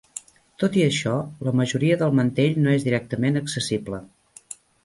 Tot i això, la majoria del mantell no és directament accessible.